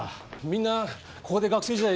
みんなここで学生時代